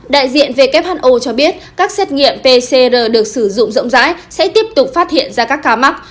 đại diện who cho biết các xét nghiệm pcr được sử dụng rộng rãi sẽ tiếp tục phát hiện ra các ca mắc